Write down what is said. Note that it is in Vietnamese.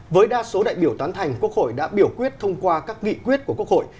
với đa số đại biểu tán thành quốc hội đã biểu quyết thông qua các nghị quyết của quốc hội